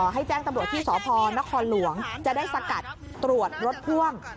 ให้แจ้งตำรวจที่สพนครหลวงจะได้สกัดตรวจรถพ่วง